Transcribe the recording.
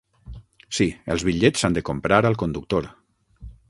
Sí, els bitllets s'han de comprar al conductor.